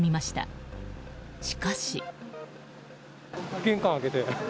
しかし。